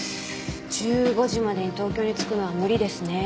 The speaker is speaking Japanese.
１５時までに東京に着くのは無理ですね。